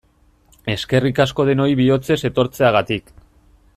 Eskerrik asko denoi bihotzez etortzeagatik!